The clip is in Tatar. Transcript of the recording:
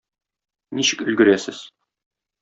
Ничек өлгерәсез?